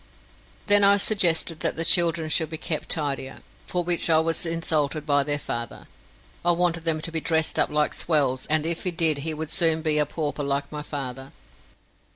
Then I suggested that the children should be kept tidier, for which I was insulted by their father. I wanted them to be dressed up like swells, and if he did that he would soon be a pauper like my father.